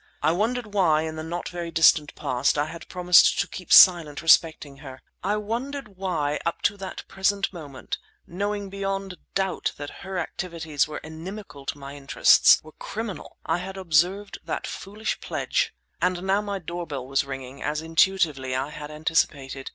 I wondered why in the not very distant past I had promised to keep silent respecting her; I wondered why up to that present moment, knowing beyond doubt that her activities were inimical to my interests, were criminal, I had observed that foolish pledge. And now my door bell was ringing—as intuitively I had anticipated.